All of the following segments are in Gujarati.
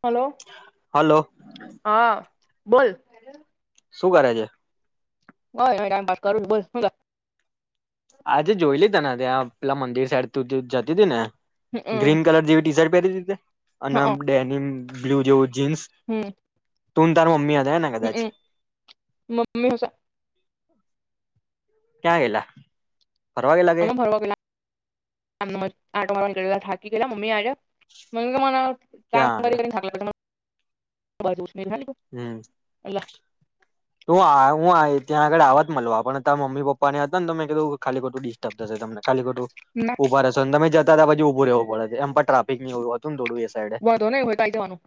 હલો હલો હા બોલ શું કરે છે? [unintelligible] ટાઈમ પાસ કરું છુ બોલ [unintelligible] આજે જોઈ લી તા ને ત્યાં પેલા મંદિર સાઈડ જતીતી ને ગ્રીન કલર જેવી ટી શર્ટ પહેરી તે અને ડેની બ્લુ [unintelligible] જીન્સ તુંન તાર મમ્મી હ હમમ મમ્મી હસ ક્યા ગેલા? અમે ફરવા ગેલા એમને એમજ આટો મારવા ગેલા થાકી ગેલા મમ્મી હાટે મને તો હવે કામ ક્યાં આગળ કરી કરી ને થાક લાગે. [unintelligible] હમ્મ. તો હું ત્યાં આગળ આવવા જ મલવા પણ તા મમ્મી પપ્પા ને હતા ને મેં કીધું ખાલી ખટું ડિસ્ટર્બ થશે તમને ખાલી ખોટું ના ઉભા રેસો તમે જ તા [unintelligible] બો એમ પણ ટ્રાફિક ની એવું હતું દોડું એ સાઈડે વાંધો નહી હોય કઈ જવાનું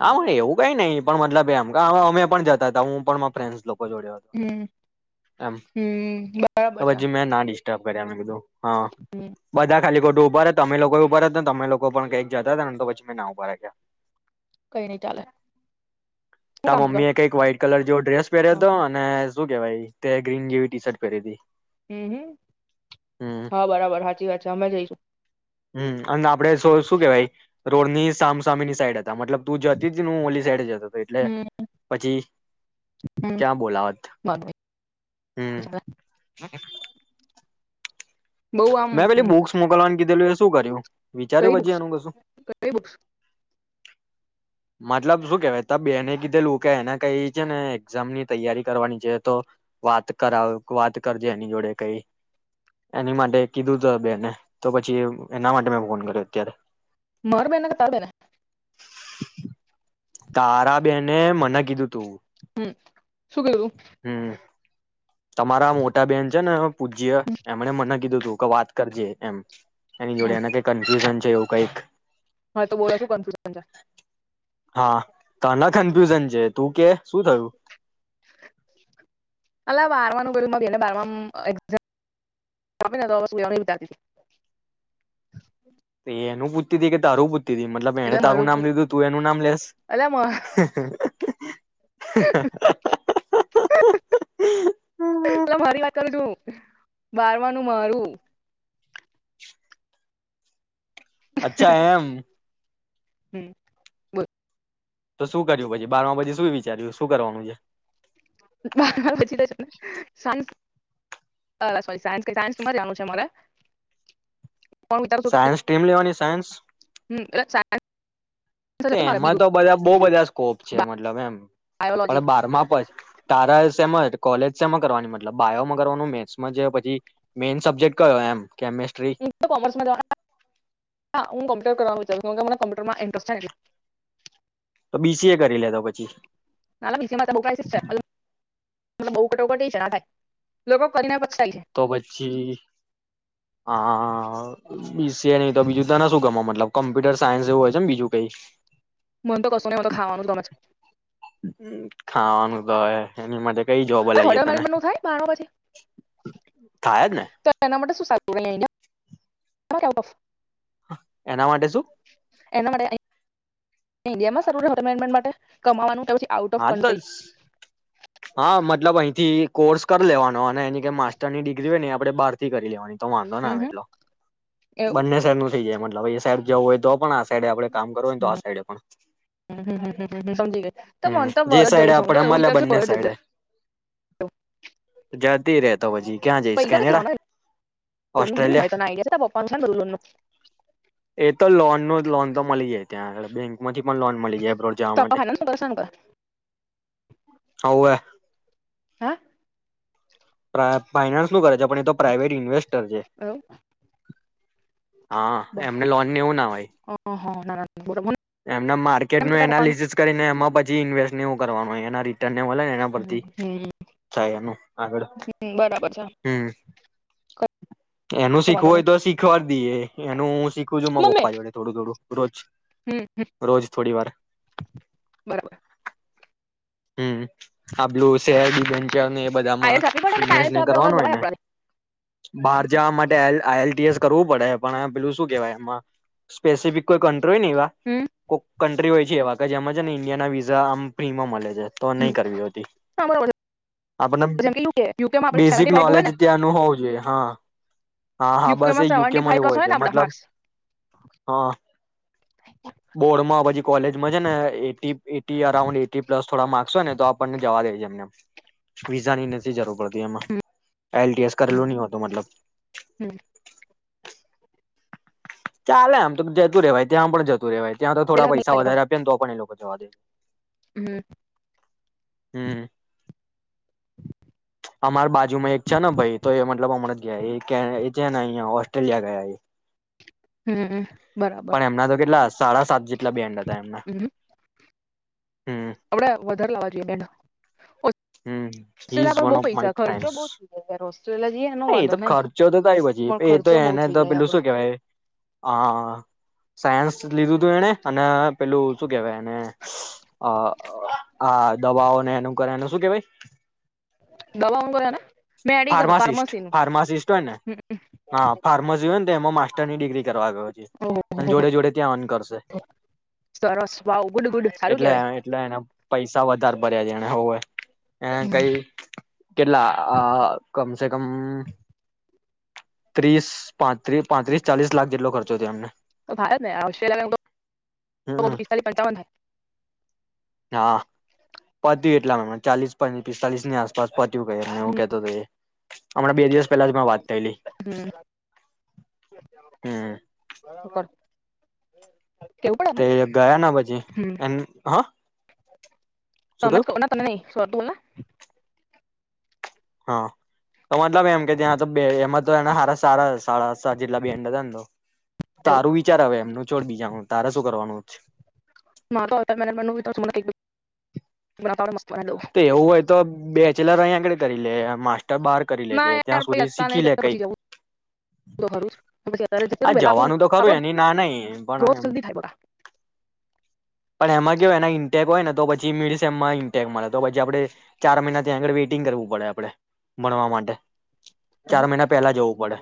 હા એવું કઈ નઈ પણ મતલબ એમ કા અવે અમે પણ જતા હતા હું પણ મા ફ્રેરેનસ લોકો જોડે હતો હમ એમ હમ હ બરાબર છે પછી મે ના દી ટર્બ કર્યા મેં કીધું હા હમ બધા ખાલી ખોટું ઊભા રહે હતા તમે લોકો એ ઉભા રેતે તમે લોકો પણ કઈક જતા હતાને તો પછી મેં ના ઉભા રાખ્યા. કઈ નહી ચાલે શું તા કામ હતું મમ્મી એ કઈક વ્હાઈટ કલર જેવો ડ્રેસ પહેર્યો હતો હમ અને શું કેવાય તે ગ્રીન જેવી ટી શર્ટ પહેરી તી હમ હમ હા બરાબર હાચી વાત છે અમે જઈશું હમ્મ અન આપણે શું શું કેવાય રોડની સામસામની સાઈડ મતલબ તું જતી જ ઓલી સાઈડે જતો હતો એટલે હમ પછી હમ ક્યાં બોલાવત હમ બહુ આમ મે પેલી બુક્સ મોકલવા કીધેલું એ શું કર્યું. વિચાર્યું કઈ પછી બુક્સ એનું કશું. કઈ બુક્સ મતલબ શું કેવાય ત બેને કીધે લોકો કે એના કઈ છે ને એક્ઝામની તૈયારી કરવાની છે તો, વાત કર વાત કરજે એની જોડે કઈ એની માટે કીધું હતું બેને તો પછી એના માટે મેં ફોન કર્યો અત્યારે. મારા બેહેન કે તારા બેેન તારા બેને મને કીધું તું. હમ શું કયું. હમ તમારા મોટા બેન છે ને પૂજ્ય એમણે મને કીધું. જો કે વાત કરજે એમ. એની જોડે એના કઈ કન્ફ્યુઝન. એવુ કઈક. હા તો બોલો શું કન્ફ્યુઝન છે? હા. તના કન્ફ્યુઝન છે તું કે. શું થયું? અલા બારવાનું ગ બેને બ [unintelligible] તો એનું પૂછતી થઈ કે તારું પૂતી મતલબ એને એટલે તારું મારું નામ લીધું તું એનું નામ લેસ. એટલે બરવાનું મારું. અચ્છા એમ. હમ્મ. તો શું કર્યું પછી બાર પછી શું વિચાર્યું શું કરવાનું છે. બાર બી જ છેને સા હ સોરી સાયન્સ સાયન્સમાં જવાનું છે મારે. પણ વિચારું છું કે સાયન્સ સ્ટ્રીમ લેવાની સાયન્સ [unintelligible] હતું મારે બી એમાં તો ગ્રુપ બધા બહુ બધા સ્કોપ છે મતલબ એમ. બાયોલોજી પણ બારમાં પ તારા સેમા કોલેજ સેમા કરવાની મતલબ બાયોમાં કરવાનું મેથ્સમાં પછી મેઈન સબ્જેક્ટ કયો એમ. કેમેસ્ટ્રી હું કોમર્સમાં હું કોમ્પ્યુટર કરવા નુ. કે મને ક્પ્યુટરમાં ઇન્ટરેસ્ટ છે એટલે. તો બી સી એ કરી લેતો પછી. ના [inaudible] બો કટોકટી છે ના થાય લોકો કરીને પછતાય છે તો પછી હા બી સી એ નહી તો બીજું તને શું ગમો મતલબ કોમ્પ્યુટર સાયન્સ એવું હોય છે ને બીજું કઈ. મન તો કશું નહિ મને તો ખાવાનું ગમે છે. ખાવાનું ભાવે એની માટે કઈ જો છે બોલાઈએ હોટેલ તને મેનેજમેન્ટનું થાય બારમા પછી થાય જ ને તો [inaudible] એના માટે શું એના [inaudible] ઇન્ડિયામાં [inaudible] કમાવાનું આઉટ ઓફ હા તો કન્ટ્રી હા મતલબ અહીંથી. કોર્સ કરી લેવાનો. એની કઈ માસ્ટરની ડિગ્રી હોય ને આ આપણે બહારથી કરી લેવાની. તો વાંધો હમ એટલો બંને શહેર નું થઈ જાય મત હવે એ સાઈડ જવું હોય તો પણ આ સાઈડ આપડે. કામ કરવું હોયને તો આ સાઈડે પણ. હ સમજી ગઈ તો હમ મનેતો જે સાઈડે આપડે મળે બંને [inaudible] સાઈડે જતી રેતો પછી ક્યાં જઈશ પૈસા કેટલા કેનેડા, હોય લોન બધું હોય તને ઓસ્ટ્રેલિયા આઈડિયા છે તારા પપ્પાનું છે ને બધું લોનનું એ તો લોન નું લોન તો મળી જાય ત્યાં. [unintelligible] એમાંથી પણ લોન મળી જાય અબોઅટ જવા તો પપ્પા માટે. ફાઇનાન્સ કરે છે ને કરે હવે. હે. પ્રા ફાઈનાન્સ નું કરે છે પણ એ તો પ્રાઇવેટ ઇન્વેસ્ટ. [inaudible] હા એમને લોનને એવું ના હોય, હા ના ના બરોબર એમ એમના માર્કેટ નું તારા પપ્પાનું એનાલિસસ કરીને એમાં પછી ઇન્વેસ્ટ એવું કરવાનું હોય. નારી. મળ ને એના પરથી હમ ચા ના આગળ. બરાબર છે હમ કઈ એનું શીખવું વાંધો હોય નહીં તો શીખવા દઈએ એનું હું શીખું છું મા મમ્મી પપ્પા જો વડે થોડું થોડું રોજ હમ હમ રોજ થોડી વાર. બરાબર હમ્મ આલું સે બીન. ને એ બધામાં આઈએલસ આપવી પડે આપણે આઈએલસ સને આપ્યા વગર કરવાનું હોય જવાય ને આપણાથી બહાર જવા માટે આ એલ ટી એસ કરવું પડે. પેલું શું કેવાય એમાં સ્પેસિફિક કો ય ન એવા હમ કો કન્ટ્રી હોય છે એવા કે જેમાં ઇન્ડિયાના વિઝા આમ પ્રીમિયમ મળે છે. તો નહી હમ કરવી હોતી હા બરોબર આપને જેમ કે યુકે યુકેમાં આપણે બેઝિક સેવન્ટી ફાઈવ હોય નોલેજ ને ત્યાંનું હોવું જોઈએ હા. હા હા બસ એ સેવન્ટી યુકેમાં ફાઈવ એવું પ્લસ હોય છે ને આપણા મતલબ માર્ક્સ હા બોર્ડમાં પછી કોલેજમાં છે ને એટી અરાઉન્ડ એટી પ્લસ. થોડા માર્ક્સ હોય ને તો આપણને જવા દેજ એમ ને એમ. વિઝાની નથી જરૂર પડતી એમાં એલ ટી એસ હમ કરેલું નહી હોતું મતલબ. ચાલે આમ તો જતું રહેવાય ત્યાં પણ જતું રહેવાય. ત્યાં તો થોડા પેલા પૈસા વધારે આપ્યા ને તો પણ એ લોકો. જોવા દે. હમ્મ. હમ્મ. અમાર બાજુમાં એક છે ને ભાઈ તો એ મતલબ હમણાં ગયા કે છે ને અહિયાં ઓસ્ટ્રેલિયા ગયા એ. હમ્મ બરાબર. પણ એમના તો કેટલા સાડા સાત જ કેટલા બેન્ડ હતા એમના. હમ હમ આપડે વધારે લાવવા જોઈએ બેન. હમ હી લા પર બહુ પૈસા ખર્ચો [unintelligible] એનો વાંધો એતો નહી ખર્ચો તો થાય પછી પણ એ તો ખર્ચો બહુ એને થઈ તો જાય પેલું આપડો શું કેવાય હા સાયન્સ લીધું તું એણે. અને. પેલું શું કેહેવાય ને અ. આ દવાઓ ને. એ કરનું શું કેવાય. દવાઓંગના ફાર્માસિસ્ટ ફાર્માસિસ્ટ હોય ને હા ફાર્માસી હોય ને તો એમાં માસ્ટરની ડિગ્રી કરવા ગયો છે, ઓહ અને જોડે જોડે ત્યાં અન કરશે સરસ વાવ ગુડ ગુડ સારું એટલે કેવાય એટલે એને પૈસા વધારે ભર્યા છે, એને હોવે એને કઈ કેટલા આ કમસે કમ. ત્રીસ, પાંત્રીસ, ચાલીસ લાખ જેટલો ખર્ચો થયો એમને તો ભારત હમ ઓસ્ટ્રેલિયાસ્ પંચાવનૈ હા. પત્યું એટલા ચાલીસ, પિસ્તાલીસની આસપાસ પત્યું ક એું કેતો હમણાં બે દિવસ પહેલા મેં વાત થયલી. હમ. હમ. થાય કેવું પડે તે ગયા ના પછી હમ એ હા. તમે શું થયું ના તમે નહી શોરતું બોલા. હા, તો મતલબ એમ કે ત્યાં તો બે એમાં તો એના સારા સાડા સાત જેટલા બેન્ડ હતા ને તો. એવું તારું વિચાર આવેવે એમનું છોડ બીજાનું તારે શું કરવાનું હતું. મા તો તો મે મ તો. તે એવું હોય તો બે. [inaudible] અહીં આગળ કરી લે માસ્ટર બાર કરી ના લેજે યાર ત્યાં પછી સુધી અત્યારે શીખી નહીં લે તો કઈક. પછી જવું તો ખરું જ પછી અત્યારે જતી રહું ને વેલા આપણું આપણો ગ્રોથ જલ્દી થાય બકા પણ એમાં કેવુ એના ઇન્ટેક હોય ને તો પછી મીડ સેમમાં ઇન્ટેક મળે. તો પછી આપડે ચાર મહિના ત્યાં આગળ વેઇટિંગ કરવું પડે આપડે ભણવા માટે. ચાર મહિના પહેલા જવું પડે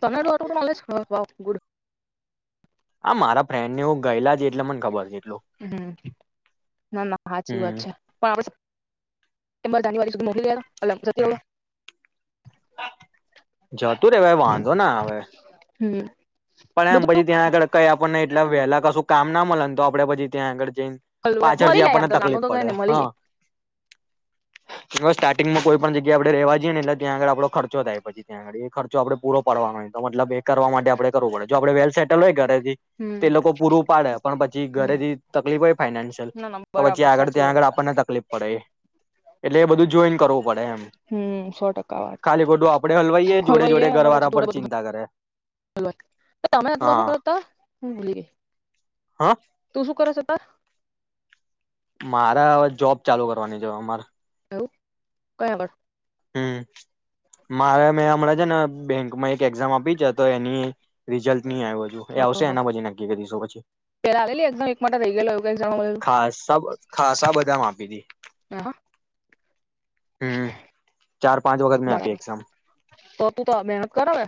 તમને આટલું બધું નોલેજ? Wow good. આ મારા ફ્રેન્ડને એવું. ગયેલા છે એટલે મને ખબર છે એટલું. હમ ના ના હાચી વાત હમ છે. [unintelligible] જતું રેવાય વાંધો ના આવે. હમ્મ. પણ એમ પછી ત્યાં આગળ કઈ આપણને એટલે વહેલા કશુંક કામ ના મલે ને તો આપડે પછી ત્યાં આગળ. હલવાય પાછળથી મળી જાય આપણને આમ તો ગામનું તકલીફ તો પડે કઈને મળી હ. જાય સ્ટાર્ટિંગમાં કોઈ પણ જગ્યા આપડે રેવા જઈએ ને એટલે્ ત્યાં આગ આપો ખર્ચો થાય પછી ત્યાં આગ એ ખર્ચ આપે પૂરો પડવાનોય તો મતલબ એ કરવા માટે આપણે. કરવું પડ જો આપેલ સેલ હોય. ઘરે હમ તે લોકો પૂરું પાડે પણ પછી હમ ઘરેથી તકલીફ હોય ફાઈનાન્શિયલ ના ના તો પછી બરાબર આગળ સાચી ત્યાં વાત આગળ છે આપણને તકલીફ પડે. એટલે એ બધું જોઈન કરવું પડે એમ. હમ સો ટકા વાત ખાલી ખોટું આપડે હલવાઈએ જોડે હલવાઈ જોડે ઘર અને વાળા પછી જોડે પણ બધું ચિંતા કરે. હા [unintelligible] હું બોલી ગઈ હા તો શું. [unintelligible] મારે હવે જોબ ચાલુ કરવાની છે મારે. [unintelligible] હ મારે મેં હમણાં છે ને બેંકમાં એક એક્ઝામ આપી છે તો એની રિઝલ્ટ. નહી આવ્યું હજુ એ આવશે એના પછી નક્કી કરીશું પછી [unintelligible] ખાસ મ ખાસા બધા મા આપી તી. હા વખત મેં આપી બરાબર, એક્ઝામ તો તું તો મહેનત કર હવે.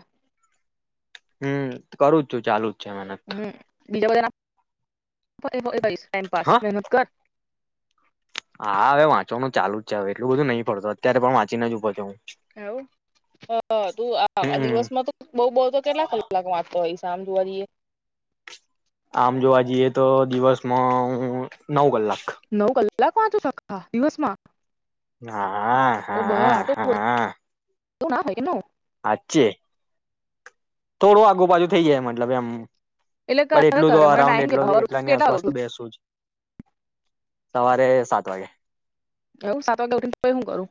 હું, કરું જ છું ચાલુ. છે મહેનત હ, બીજા બધા ના. હા [unintelligible] [unintelligible] મહેનત કર. હા, હવે વાંચવાનું ચાલુ જ છે, હવે. એટલું બધું નહી પડતું અત્યારે પણ વાંચીને જ ઉપર છું એવું, તો તું હું આ હમ દિવસમાં તો બહુ બહુ તો કેટલા કલાક વાંચતો હોઇશ. આમ જોવા જઈએ આમ જોવા જઈએ, તો દિવસમાં હું નવ કલાક. નવ કલાક વાંચું [unintelligible] દિવસમાં? હા, હા, હા. તો ના હોય [inaudible] હાચે. થોડું આઘુ પાછું થઈ જાય મતલબ, એમ. એટલે પણ કરરે એટલું તો કર મને અરાઉન્ડ ટાઈમ કે, એટલ હવારે એટલાની કેટલા વાગે આસપાસ તો ઊઠું. બેસું જ સવારે સાત વાગે એવું સાત વાગે ઉઠીને પછી હું કરું?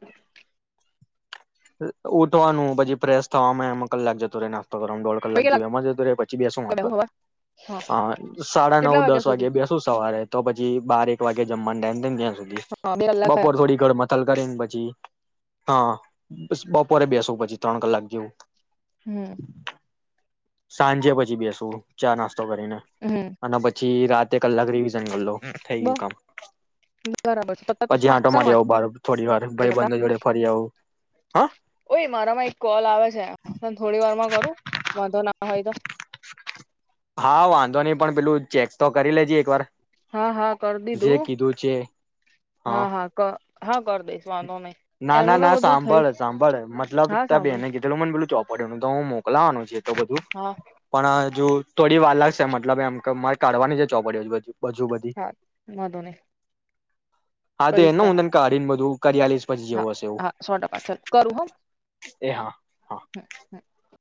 ઉઠવાનું પછી, ફ્રેશ થવામાં એમાં કલાક જતું રેના તો કરવામાં દોઢ પહી કલાક કેટલા જેવો એમ જતો રે એમા, પછી બેસું વાગે વાચવા, બેહું હવાર હા સાડા નવ કેટલા દસ વાગ્યા વાગે સુધી બેસુ સવારે તો પછી જી બાર એક વાગે જમવા નો ટાઈમ હા બે [inaudible] કલાક બપોર થયા થોડી ઘરમાં [unintelligible] પછી હા. બસ બપોરે બેસુ પછી, ત્રણ કલાક જેવું. હમ્મ. સાંજે પછી બેસુ, ચા નાસ્ત તો કરીને હમ અને પછી રા તે કલાક રિવિઝન કરી લવ. થઈ ગયું બસ કામ, બરાબર છે તું પછી શું આંટો શાનું મારી વાંચે આવું બાર થોડી વાર, છે ભાઈ તાર? બંધ જોડે ફરી આવું. હા ઓય મારામાં એક કોલ આવે છે, પણ થોડી વાર માં કરું વાંધો ના હોય તો હા, વાંધો નઈ, પણ પેલું ચેક તો કરી લેજે એક વાર હા, હા, કરી જે દીધું, કીધું છે હા, હા, કર હા, કરી દઈશ નહી ના, ના, એનું તો ના, બધું થઈ સાંભળ, સાંભળ મતલબ હા ત્યાં સાંભળ્યું બેને કીધેલું મને પેલું ચોપ ડું તો હું મોકવાનું છે તો બધું, હા પણ હજુ થોડીવાર લાગશે, મતલબ એમ ક, કાઢવાની જ ચોપડી બજુ બધી હા, વાધો ની આ તે એનુ મુુંદન કાડીન બધું કરીયાલીસ હા, હા, સો ટકા ચાલ કરું, હો એ, હા હા હમ્મ, હમ્મ